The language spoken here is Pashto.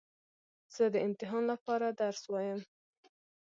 زه د امتحان له پاره درس وایم.